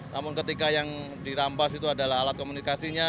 namun ketika yang dirampas itu adalah alat komunikasinya